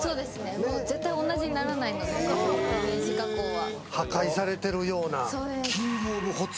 絶対同じにならないので、ダメージ加工は。